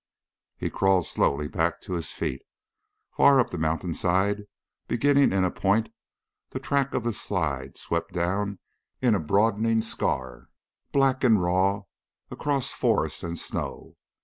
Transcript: He crawled slowly back to his feet. Far up the mountainside, beginning in a point, the track of the slide swept down in a broadening scar, black and raw, across forest and snow.